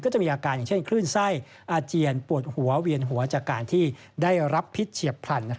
จะมีอาการอย่างเช่นคลื่นไส้อาเจียนปวดหัวเวียนหัวจากการที่ได้รับพิษเฉียบพลัน